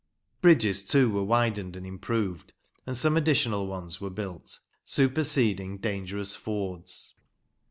Bridges, too, were widened and improved, and some additional ones were built, superseding dangerous fords.